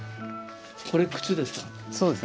これ靴ですか？